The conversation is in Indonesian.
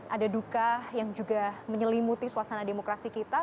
ada duka yang juga menyelimuti suasana demokrasi kita